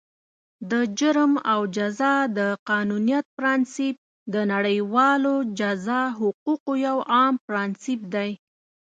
د جرم او جزا د قانونیت پرانسیپ، د نړیوالو جزا حقوقو یو عام پرانسیپ دی.